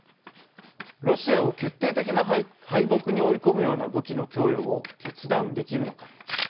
ロシアを、決定的な敗北に追い込むような武器の供与を決断できるのか。